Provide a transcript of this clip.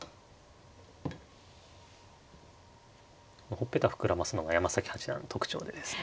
ほっぺた膨らますのが山崎八段の特徴でですね。